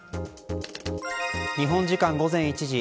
日本時間午前１時。